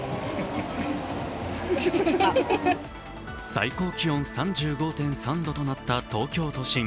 最高気温３５．３度となった東京都心。